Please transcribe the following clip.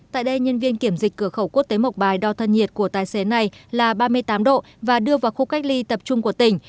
tại đây nhân viên kiểm dịch cửa khẩu quốc tế mộc bài đo thân nhiệt của tài xế này là ba mươi tám độ và đưa vào khu cách ly tập trung của tỉnh